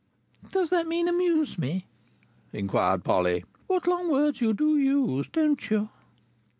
"Does that mean, amuse us?" inquired Polly. "What long words you do use, don't you?"